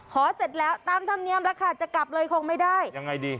เสร็จแล้วตามธรรมเนียมแล้วค่ะจะกลับเลยคงไม่ได้ยังไงดี